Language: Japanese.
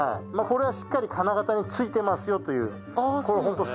これがしっかり金型についてますよという。